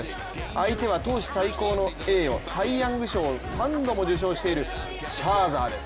相手は投手最高の栄誉サイ・ヤング賞を３度も受賞しているシャーザーです。